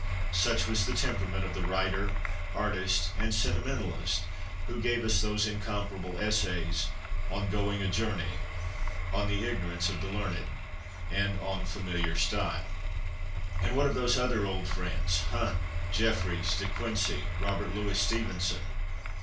Such was the OLD FRIENDS 103 temperament of the writer, artist, and sentimentalist who gave us those incomparable essays ' On Going a Journey,' ' On the Ignorance oi the Learned,' and ' On Familiar Style.' And what of those other old friends, Hunt, Jefferies, De Quincey, Robert Louis Stevenson